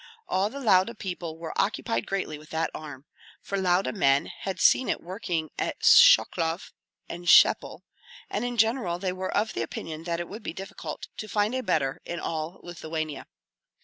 All the Lauda people were occupied greatly with that arm, for Lauda men had seen it working at Shklov and Sepyel, and in general they were of the opinion that it would be difficult to find a better in all Lithuania.